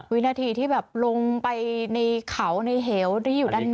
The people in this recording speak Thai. วินาทีที่แบบลงไปในเขาในเหวที่อยู่ด้านใน